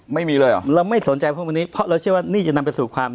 ไม่มีเลยเหรอเราไม่สนใจพวกวันนี้เพราะเราเชื่อว่านี่จะนำไปสู่ความ